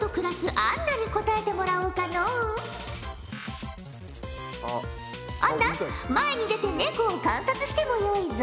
アンナ前に出てネコを観察してもよいぞ。